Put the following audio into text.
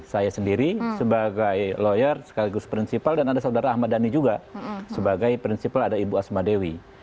saya sendiri sebagai lawyer sekaligus prinsipal dan ada saudara ahmad dhani juga sebagai prinsipal ada ibu asma dewi